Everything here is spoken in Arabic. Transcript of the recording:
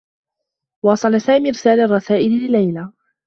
واصل سامي إرسال الرّسائل لليلى.